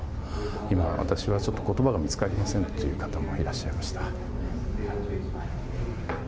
今、私は言葉が見つかりませんという方もいらっしゃいました。